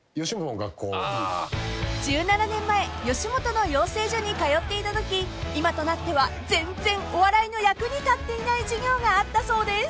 ［１７年前吉本の養成所に通っていたとき今となっては全然お笑いの役に立っていない授業があったそうです］